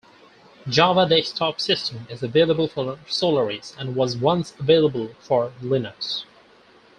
Java Desktop System is available for Solaris and was once available for Linux.